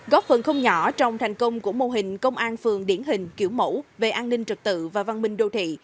góp phần không nhỏ trong thành công của mô hình công an phường điển hình kiểu mẫu về an ninh trật tự và văn minh đô thị